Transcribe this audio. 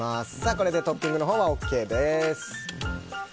これでトッピングはＯＫです。